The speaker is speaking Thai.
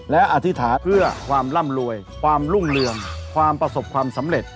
และอธิษฐานเอื้อความร่ำรวยความรุ่งเรืองความประสบความสำเร็จ